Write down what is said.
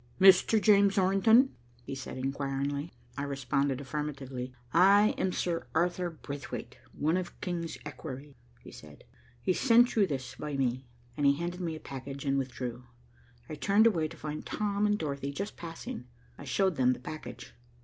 "Mr. James Orrington?" he said inquiringly. I responded affirmatively. "I am Sir Arthur Braithwaite, one of the King's equerries," he said. "He sent you this by me," and he handed me a package and withdrew. I turned away to find Tom and Dorothy just passing. I showed them the package.